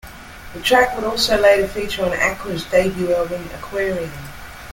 The track would also later feature on Aqua's debut album "Aquarium".